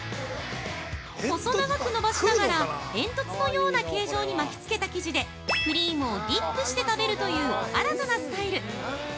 細長く伸ばしながら煙突のような形状に巻き付けた生地でクリームをディップして食べるという新たなスタイル。